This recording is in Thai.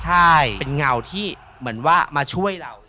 ใช่เป็นเงาที่เหมือนว่ามาช่วยเรา